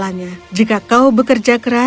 saya jadi wanita yang wordtegatah